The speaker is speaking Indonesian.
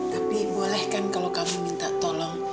tapi boleh kan kalau kamu minta tolong